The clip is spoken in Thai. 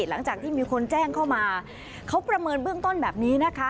หลังจากที่มีคนแจ้งเข้ามาเขาประเมินเบื้องต้นแบบนี้นะคะ